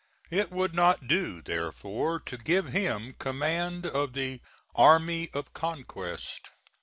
It would not do therefore to give him command of the "army of conquest."